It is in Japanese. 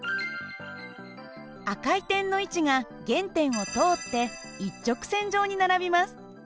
赤い点の位置が原点を通って一直線上に並びます。